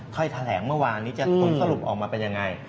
แถลงเมื่อวานนี้จะผลสรุปออกมาเป็นยังไง